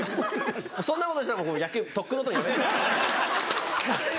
そんなことしたら僕野球とっくのとうに辞めてます。